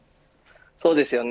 そうですよね。